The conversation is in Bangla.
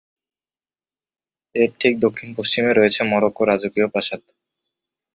এর ঠিক দক্ষিণ-পশ্চিমে রয়েছে মরক্কোর রাজকীয় প্রাসাদ।